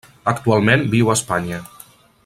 Actualment viu a Espanya.